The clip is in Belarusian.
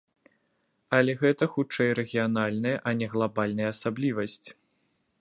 Але гэта хутчэй рэгіянальная, а не глабальная асаблівасць.